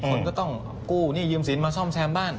คนก็ต้องกู้หนี้ยืมสินมาซ่อมแซมบ้าน